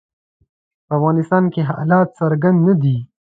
په افغانستان کې حالات څرګند نه دي.